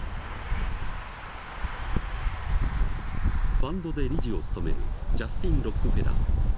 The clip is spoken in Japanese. ファンドで理事を務めるジャスティン・ロックフェラー。